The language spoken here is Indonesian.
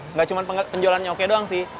nggak cuma penjualannya oke doang sih